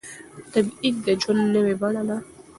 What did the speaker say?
تبعيد د ژوند نوې بڼه وه.